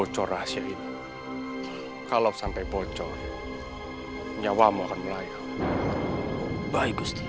kalau sampai bocor nyawa